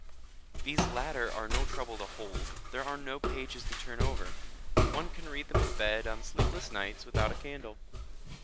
These latter are no trouble to hold; there are no pages to turn over. One can read them in bed on sleepless nights without a candle.